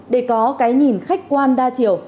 để có cái nhìn khách quan đa chiều